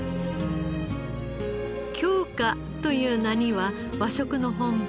京香という名には和食の本場